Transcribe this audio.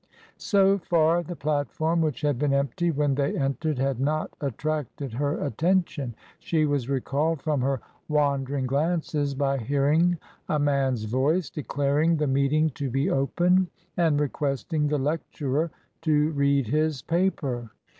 So far the platform, which had been empty when they entered, had not attracted her attention ; she was recalled from her wandering glances by hearing a man's voice declaring the meeting to be open and requesting the lecturer to read his paper.